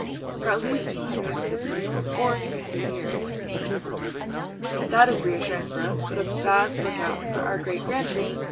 "For at least two hundred and fifty or three hundred years." "That is reassuring for us, but a bad look out for our great grandchildren!"